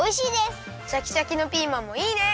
シャキシャキのピーマンもいいね！